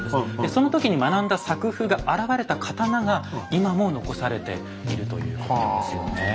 その時に学んだ作風があらわれた刀が今も残されているということですよね。